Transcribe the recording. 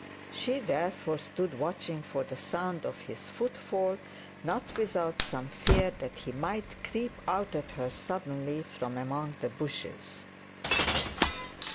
She therefore stood watching for the sound of his footfall, not without some fear that he might creep out at her suddenly from among the bushes.